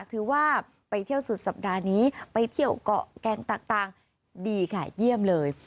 ถือว่าไปเที่ยวสุดสัปดาห์นี้ไปเที่ยวเกาะแกงต่างดีค่ะเยี่ยมเลย